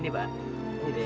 ini pak ini dek